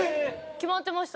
決まってました。